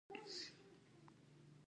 د افغانستان طبیعت له بزګان څخه جوړ شوی دی.